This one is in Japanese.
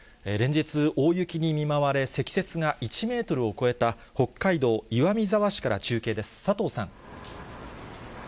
連日、大雪に見舞われ、積雪が１メートルを超えた北海道岩見沢市から中継です。